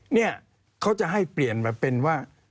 เนี่ยเขาจะให้เปลี่ยนมาเป็นว่า